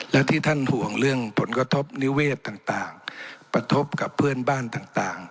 และที่ท่านห่วงเรื่องผลกระทบนิเวศต่างกระทบกับเพื่อนบ้านต่าง